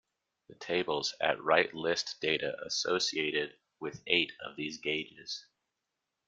The tables at right list data associated with eight of these gauges.